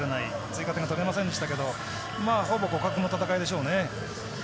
追加点が取れませんでしたがほぼ互角の戦いでしょうね。